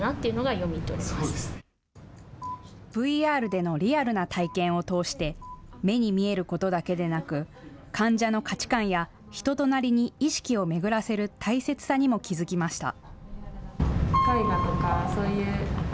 ＶＲでのリアルな体験を通して目に見えることだけでなく患者の価値観や人となりに意識を巡らせる大切さにも気付きました。